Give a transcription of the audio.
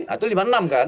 itu lima puluh enam kan